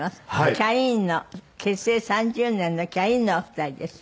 キャインの結成３０年のキャインのお二人です。